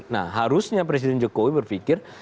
nah harusnya presiden jokowi berpikir